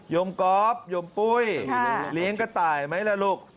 มก๊อฟโยมปุ้ยเลี้ยงกระต่ายไหมล่ะลูก